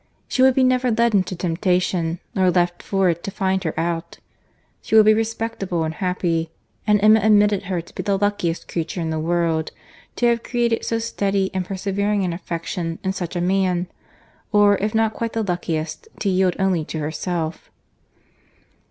She would be never led into temptation, nor left for it to find her out. She would be respectable and happy; and Emma admitted her to be the luckiest creature in the world, to have created so steady and persevering an affection in such a man;—or, if not quite the luckiest, to yield only to herself.